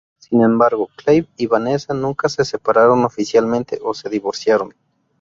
Sin embargo, Clive y Vanessa nunca se separaron oficialmente o se divorciaron.